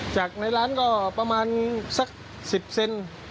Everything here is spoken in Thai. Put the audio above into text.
จากในร้านก็ประมาณสัก๑๐เซน